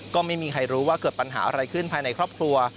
ก็ไม่มีใครรู้ว่าเกิดปัญหาอะไรขึ้นภายในครอบครัว